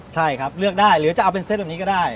ใช่ครับเลือกได้หรือจะเอาเป็นเซตแบบนี้ก็ได้